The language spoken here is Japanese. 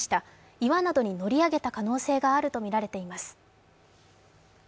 岩などに乗り上げた可能性があるとみられています。